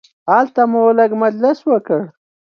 هلته مو لږ مجلس وکړ.